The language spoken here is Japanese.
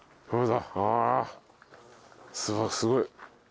すごい。